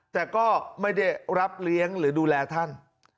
แต่ก็ไม่ได้รับเลี้ยงหรือดูแลท่าน